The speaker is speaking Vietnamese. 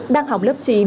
đang học lớp chín